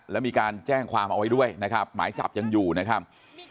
แล้วมีการแจ้งความเอาไว้ด้วยนะครับหมายจับยังอยู่นะครับ